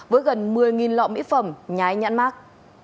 với gần một mươi lọ mỹ phẩm nhái nhãn mát